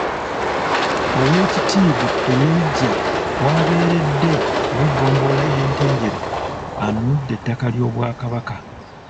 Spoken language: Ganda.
Oweekitiibwa Elijah w’abeeredde ow’eggombolola y’e Ntenjeru anunudde ettaka ly’Obwakabaka.